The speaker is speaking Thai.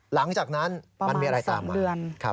หลังจากนั้นมันมีอะไรตามมาประมาณสองเดือน